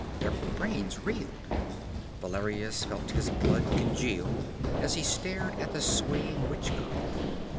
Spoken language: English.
Their brains reeled. Valerius felt his blood congeal as he stared at the swaying witch girl.